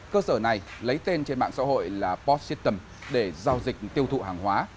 cơ sở này lấy tên trên mạng xã hội là post system để giao dịch tiêu thụ hàng hóa